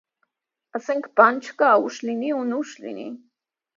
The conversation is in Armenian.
Ասենք, բան չկա, ուշ լինի ու նուշ լինի: